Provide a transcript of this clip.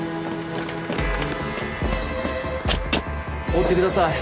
追ってください。